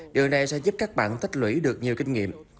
điều này sẽ giúp các bạn tích lũy được nhiều kinh nghiệm